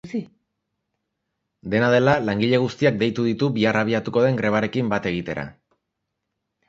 Dena dela, langile guztiak deitu ditu bihar abiatuko den grebarekin bat egitera.